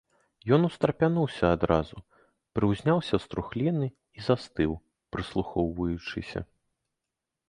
Ён устрапянуўся адразу, прыўзняўся з трухліны і застыў, прыслухоўваючыся.